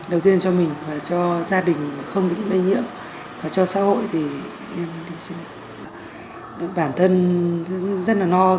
đầu tiên là cho mình và cho gia đình không bị lây nhiễm và cho xã hội thì em sẽ được bản thân rất là no